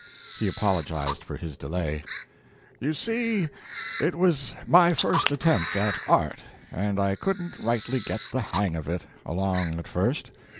He apologized for his delay: "You see, it was my first attempt at art, and I couldn't rightly get the hang of it, along at first.